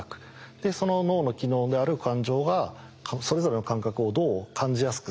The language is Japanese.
でその脳の機能である感情がそれぞれの感覚をどう感じやすくするか。